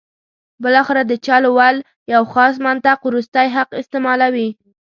بالاخره د چل ول یو خاص منطق وروستی حق استعمالوي.